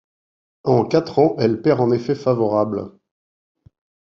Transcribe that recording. En quatre ans, elle perd en effet favorables.